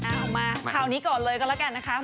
เอามาคราวนี้ก่อนเลยก็แล้วกันนะคะ